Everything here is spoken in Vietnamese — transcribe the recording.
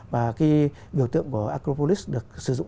vì biểu tượng của acropolis được sử dụng